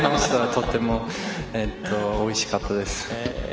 とてもおいしかったです。